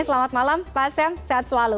selamat malam pak sam sehat selalu